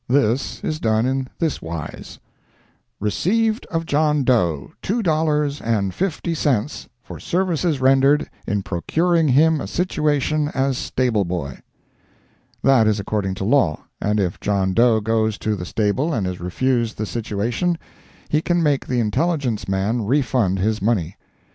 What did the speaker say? This is done in this wise: "Received of John Doe, two dollars and fifty cents, for services rendered in procuring him a situation as stable boy." That is according to law, and if John Doe goes to the stable and is refused the situation, he can make the intelligence man refund his money.